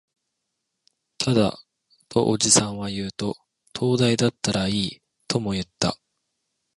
ただ、とおじさんは言うと、灯台だったらいい、とも言った